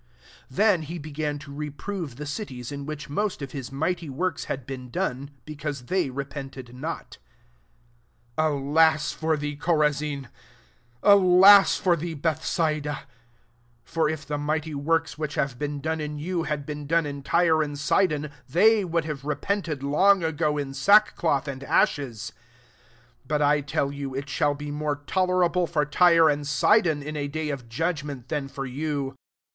20 Then he began to reprove the cities in which most of his mighty works had been done, because they repented not. 21 * Alas for thee, Chorazin ! alas for thee, Bethsaida I For if the mighty works, which have been done in you, had been done in 'I'yre and Sidon, they would have repented long ago in sack cloth and ashes. 22 But I tell you, It shall be more tolerable for Tyre and Sidon in a day of judgment, than for you.